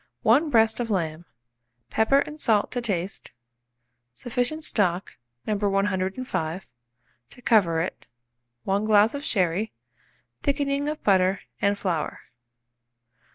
1 breast of lamb, pepper and salt to taste, sufficient stock, No. 105, to cover it, 1 glass of sherry, thickening of butter and flour.